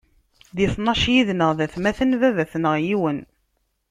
Di tnac yid-nneɣ d atmaten, baba-tneɣ yiwen.